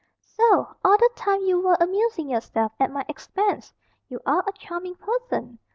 "So, all the time you were amusing yourself at my expense. You are a charming person.